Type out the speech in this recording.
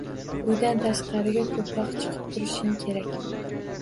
Uydan tashqariga ko‘proq chiqib turishing kerak.